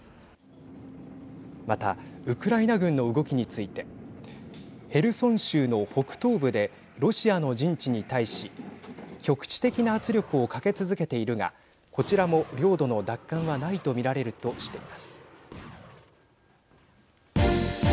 また、ウクライナ軍の動きについてヘルソン州の北東部でロシアの陣地に対し局地的な圧力をかけ続けているがこちらも領土の奪還はないと見られるとしています。